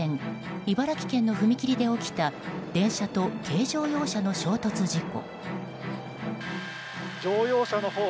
茨城県の踏切で起きた電車と軽自動車の衝突事故。